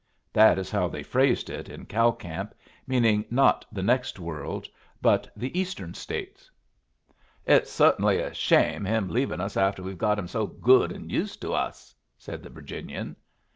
That is how they phrased it in cow camp, meaning not the next world, but the Eastern States. "It's certainly a shame him leaving after we've got him so good and used to us," said the Virginian.